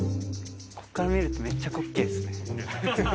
こっから見るとめっちゃ滑稽っすね。